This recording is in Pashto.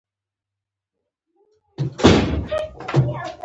د طیارو د ناستې فیس اخیستل کیږي؟